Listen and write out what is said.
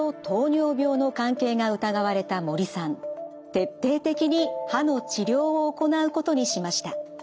徹底的に歯の治療を行うことにしました。